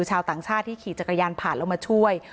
ชาวต่างชาติที่ขี่จักรยานผ่านแล้วมาช่วย